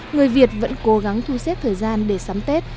người việt vẫn cố gắng thu xếp thời gian để sắm tết